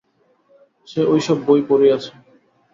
সে ওই সব বই পড়িয়াছে।